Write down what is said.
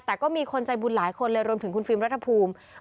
แต่ก็มีคนใจบุญหลายคนเลยรวมถึงคุณฟิล์มรัฐภูมิ